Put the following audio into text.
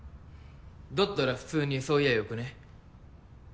だったら普通にそう言や良くね？